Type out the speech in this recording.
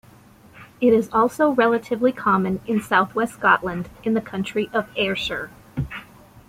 It is also relatively common in south west Scotland, in the country of Ayrshire.